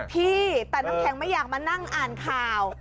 พี่แต่น้ำแข็งไม่อยากมานั่งอ่านข่าว